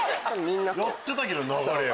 ⁉やってたけど流れを。